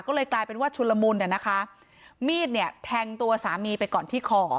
ก็เลยกลายเป็นว่าชุนละมุนอ่ะนะคะมีดเนี่ยแทงตัวสามีไปก่อนที่คอ